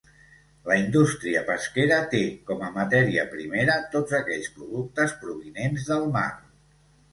La indústria pesquera té com a matèria primera tots aquells productes provinents del mar.